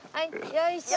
よいしょ。